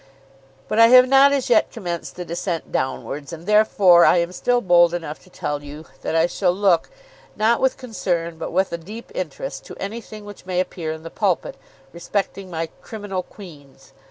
But I have not as yet commenced the descent downwards; and therefore I am still bold enough to tell you that I shall look, not with concern but with a deep interest, to anything which may appear in the "Pulpit" respecting my "Criminal Queens."